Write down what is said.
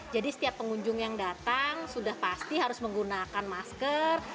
jadi setiap pengunjung yang datang sudah pasti harus menggunakan masker